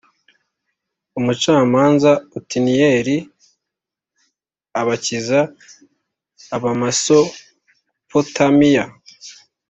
Umucamanza Otiniyeli abakiza Abamesopotamiya